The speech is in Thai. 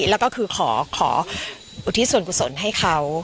แล้วก็คือขออุทิศส่วนกุศลให้เขา